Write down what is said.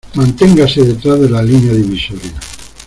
Manténgase detrás de la línea divisoria.